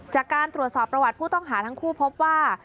จากการตรวจสอบประวัติผู้ต้องหาทั้งคู่พบว่า